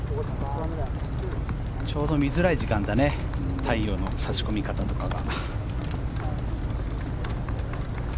ちょうど見づらい時間だね太陽の差し込み方とかが。